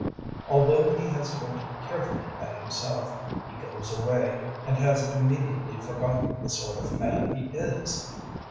001:024 Although he has looked carefully at himself, he goes away, and has immediately forgotten the sort of man he is.